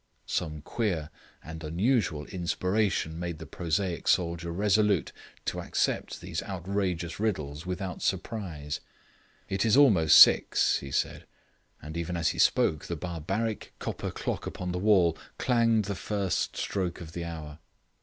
Some queer and unusual inspiration made the prosaic soldier resolute to accept these outrageous riddles without surprise. "It is almost six," he said; and even as he spoke the barbaric copper clock upon the wall clanged the first stroke of the hour.